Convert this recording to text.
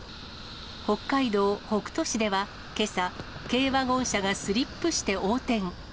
北海道北斗市ではけさ、軽ワゴン車がスリップして横転。